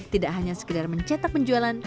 tidak hanya sekedar mencetak penjualan